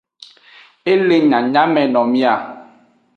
E le nyanyameno mia.